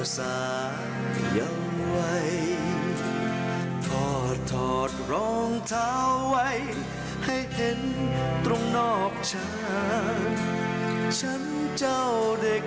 สวัสดีครับ